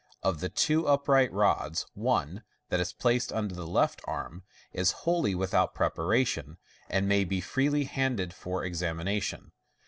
Of the two upright rods, one (that placed under the left arm) is wholly without prepara tion, and may be freely handed for examination.